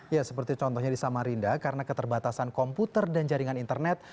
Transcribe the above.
ya seperti contohnya di samarinda karena keterbatasan komputer dan jaringan internet